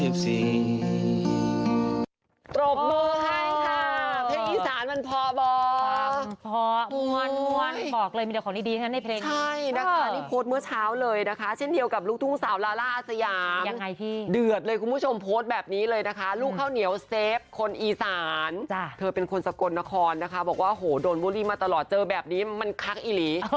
บอกว่าโหดูลวูลลี่มาตลอดเจอแบบนี้มันคักอีหรี